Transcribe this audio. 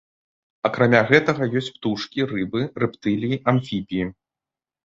Акрамя гэтага ёсць птушкі, рыбы, рэптыліі, амфібіі.